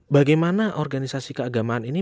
bagaimana organisasi keagamaan ini